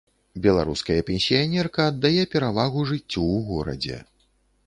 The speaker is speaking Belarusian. Беларуская пенсіянерка аддае перавагу жыццю ў горадзе.